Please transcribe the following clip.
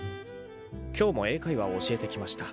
「今日も英会話を教えてきました」